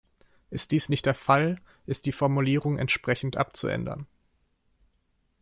Ist dies nicht der Fall, ist die Formulierung entsprechend abzuändern.